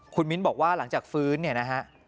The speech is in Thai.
คุณมิ้นบอกว่าหลังจากฟื้นเนี่ยนะฮะ